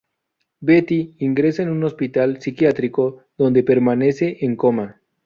Betty ingresa en un hospital psiquiátrico, donde permanece en coma.